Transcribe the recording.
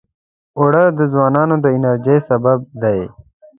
اوړه د ځوانانو د انرژۍ سبب دي